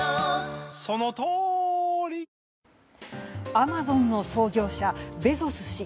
アマゾンの創業者ベゾス氏。